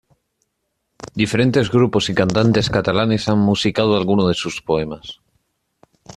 Diferentes grupos y cantantes catalanes han musicado algunos de sus poemas.